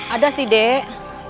ada sih dek